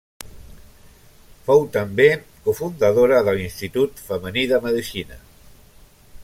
Fou també cofundadora de l'Institut Femení de Medicina.